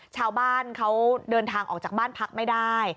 ชาวบ้านเขาเดินทางออกจากบ้านพักไม่ได้